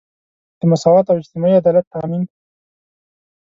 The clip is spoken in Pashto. د مساوات او اجتماعي عدالت تامین.